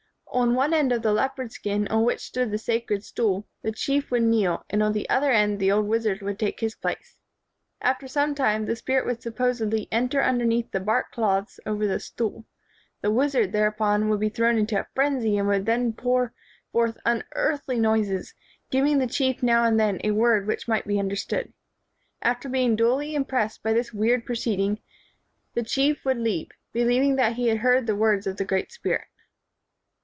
On one end of the leopard skin on which stood the sacred stool, the chief would kneel, and on the other end the old wizard would take his place. After some time the spirit would supposedly enter underneath the bark cloths over the stool. The wizard, thereupon, would be thrown into a frenzy and would pour forth unearthly noises, giv ing the chief now and then a word which might be understood. After being duly im pressed by this weird proceeding, the chief 114 KING AND WIZARD would leave, believing that he had heard the words of the great spirit.